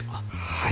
はい。